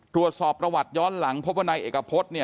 ทั่วสอบประวัติย้อนหลังพบว่าในเอกพรต